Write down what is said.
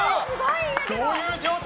どういう状態？